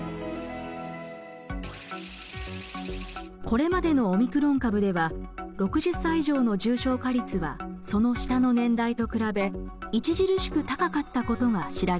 これまでのオミクロン株では６０歳以上の重症化率はその下の年代と比べ著しく高かったことが知られています。